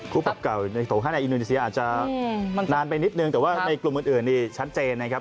ปรับเก่าในโถ๕ในอินโดนีเซียอาจจะนานไปนิดนึงแต่ว่าในกลุ่มอื่นนี่ชัดเจนนะครับ